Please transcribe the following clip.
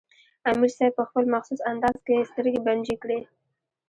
امیر صېب پۀ خپل مخصوص انداز کښې سترګې بنجې کړې